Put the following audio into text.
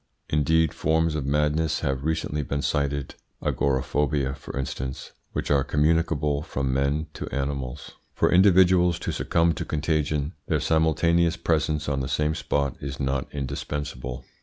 Indeed, forms of madness have recently been cited agoraphobia, for instance which are communicable from men to animals. For individuals to succumb to contagion their simultaneous presence on the same spot is not indispensable.